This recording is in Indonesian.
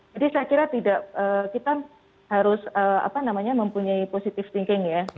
jadi saya kira tidak kita harus mempunyai positive thinking ya